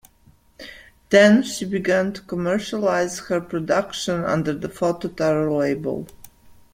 Then, she began to commercialize her production under the Photo Taro label.